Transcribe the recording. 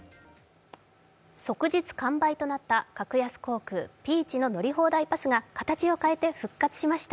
即日完売となった格安航空・ピーチの乗り放題パスが形を変えて復活しました。